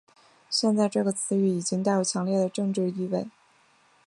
现在这个词语已经带有强烈的政治意味。